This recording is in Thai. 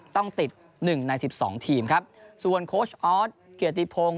ต้องติดหนึ่งในสิบสองทีมครับส่วนโค้ชออสเกียรติพงศ์